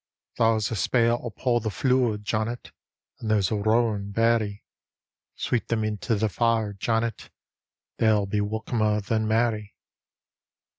There's a spale upo' the flure, Janet, And there's a rowan beny. Sweep them into the fire, Janet, — They'll be welcomer than merry.